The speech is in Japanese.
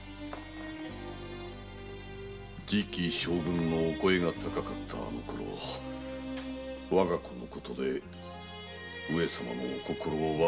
次期将軍のお声が高かったあのころわが子のことで上様のお心を患わせたくなかったのが一つ。